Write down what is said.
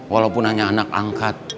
walaupun hanya anak angkat